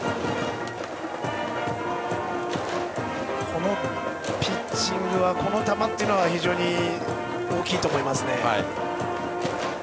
このピッチングはこの球というのは非常に大きいと思いますね。